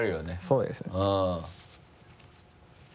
そうですね。